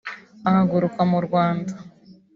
Ahaguruka mu Rwanda